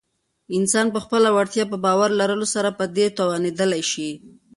انسان په خپله وړتیا په باور لرلو سره په دې توانیدلی شی